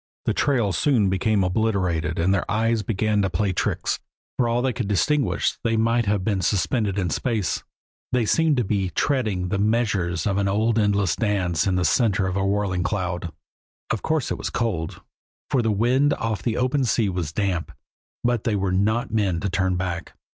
The trail soon became obliterated and their eyes began to play tricks. For all they could distinguish, they might have been suspended in space; they seemed to be treading the measures of an endless dance in the center of a whirling cloud. Of course it was cold, for the wind off the open sea was damp, but they were not men to turn back.